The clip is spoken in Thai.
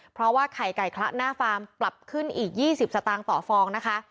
เพราะว่าไข่ไก่คละหน้าฟาร์มปรับขึ้นอีก๒๐สตางค์ต่อฟองนะคะ